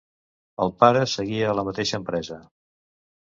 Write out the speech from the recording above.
El pare seguia a la mateixa empresa.